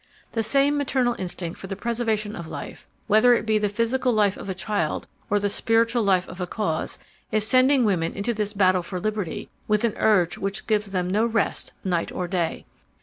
The same maternal instinct for the preservation of life—whether it be the physical life of a child or the spiritual life of a cause—is sending women into this battle for liberty with an urge which gives them no rest night or day.